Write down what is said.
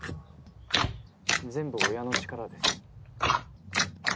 全部親の力です。